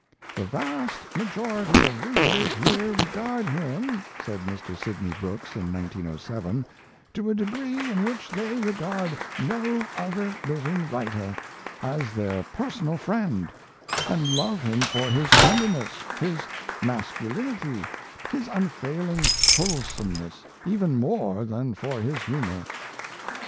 "The vast majority of readers here regard him," said Mr. Sydney Brooks in 1907, "to a degree in which they regard no other living writer, as their personal friend, and love him for his tenderness, his masculinity, his unfailing wholesomeness even more than for his humour."